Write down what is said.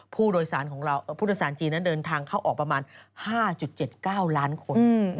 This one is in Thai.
ผู้โดยสารจีนนั้นเดินทางเข้าออกประมาณ๕๗๙ล้านคน